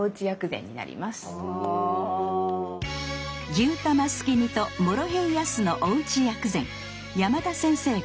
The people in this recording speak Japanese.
「牛卵すき煮」と「モロヘイヤ酢」のおうち薬膳山田先生考案！